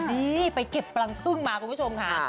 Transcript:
นี่ไปเก็บรังพึ่งมาคุณผู้ชมค่ะ